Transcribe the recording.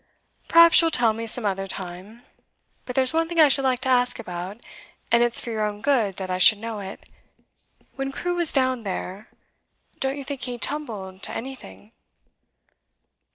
'Perhaps you'll tell me some other time. But there's one thing I should like to ask about, and it's for your own good that I should know it. When Crewe was down there, don't you think he tumbled to anything?